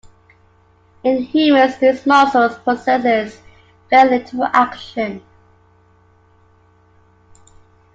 In humans these muscles possess very little action.